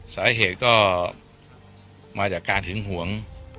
สาเหตุก็มาจากการหึงหวง